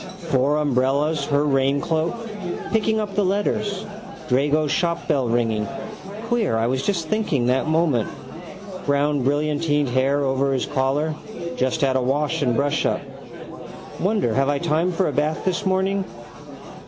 Four umbrellas, her raincloak. Picking up the letters. Drago's shopbell ringing. Queer I was just thinking that moment. Brown brillantined hair over his collar. Just had a wash and brushup. Wonder have I time for a bath this morning.